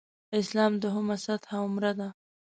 اسلام دویمه سطح عمره ده.